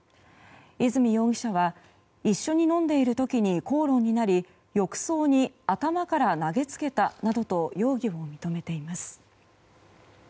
泉容疑者は一緒に飲んでいる時に口論になり浴槽に頭から投げつけたなどと容疑を認めています。